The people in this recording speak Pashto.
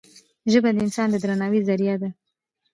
ژبه د انسان د درناوي زریعه ده